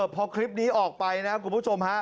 พอคลิปนี้ออกไปนะคุณผู้ชมฮะ